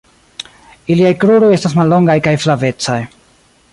Iliaj kruroj estas mallongaj kaj flavecaj.